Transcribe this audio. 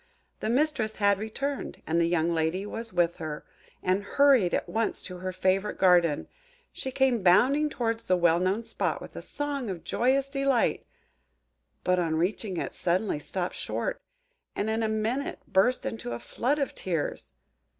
The mistress had returned; and the young lady was with her, and hurried at once to her favourite garden. She came bounding towards the well known spot with a song of joyous delight; but, on reaching it, suddenly stopped short, and in a minute after burst into a flood of tears!